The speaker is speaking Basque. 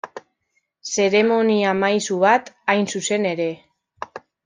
Zeremonia-maisu bat, hain zuzen ere.